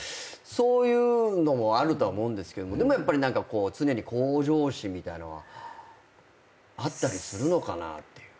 そういうのもあるとは思うんですけどでもやっぱり常に向上心みたいのはあったりするのかなっていう。